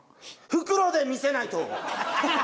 袋で見せないと！